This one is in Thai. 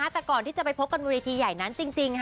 แต่ก่อนที่จะไปพบกันบนเวทีใหญ่นั้นจริง